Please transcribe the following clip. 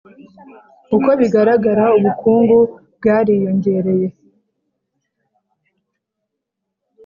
uko bigaragara ubukungu bwariyongereye